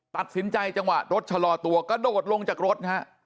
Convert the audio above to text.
ตัดสินใจจังหวะรถชะลอตัวกระโดดลงจากรถนะฮะ